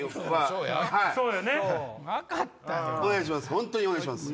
本当にお願いします。